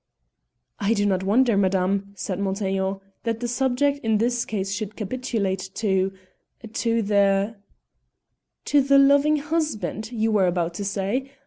"I do not wonder, madame," said Montaiglon, "that the subject in this case should capitulate to to to the " "To the loving husband, you were about to say.